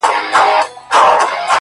• د فکرونه؛ ټوله مزخرف دي؛